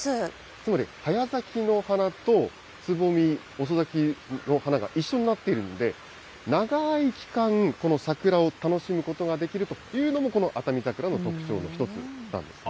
つまり早咲きのお花とつぼみ、遅咲きの花が一緒になっているんで、長い期間、この桜を楽しむことができるというのも、このあたみ桜の特徴の一つなんですね。